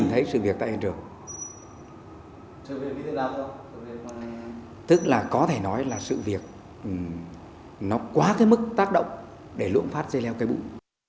tức là có thể nói là sự việc nó quá cái mức tác động để lũm phát dây leo cây bụi